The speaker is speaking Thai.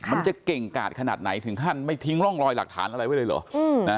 มันจะเก่งกาดขนาดไหนถึงขั้นไม่ทิ้งร่องรอยหลักฐานอะไรไว้เลยเหรอ